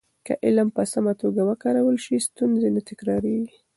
که علم په سمه توګه وکارول شي، ستونزې نه تکرارېږي.